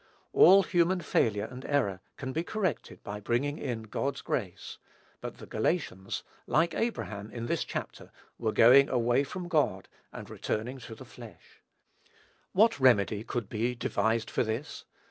All human failure and error can be corrected by bringing in God's grace; but the Galatians, like Abraham in this chapter, were going away from God, and returning to the flesh. What remedy could be devised for this?